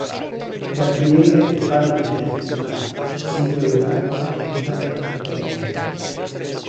Gabriele è padre di tre figli: Silvio Leonardo, Ilan e Penelope.